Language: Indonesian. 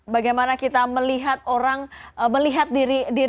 bagaimana kita melihat orang melihat diri